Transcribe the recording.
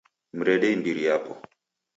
Mrede imbiri yapo